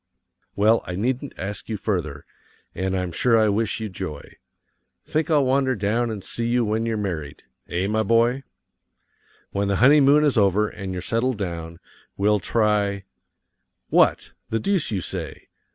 Well, I needn't ask you further, and I'm sure I wish you joy. Think I'll wander down and see you when you're married eh, my boy? When the honeymoon is over and you're settled down, we'll try What? the deuce you say!